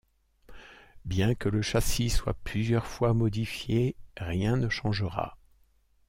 Bien que le châssis soit plusieurs fois modifié, rien ne changera.